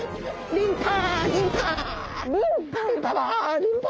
リンパ！？